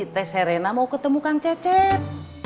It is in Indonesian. teh serena mau ketemukan cecep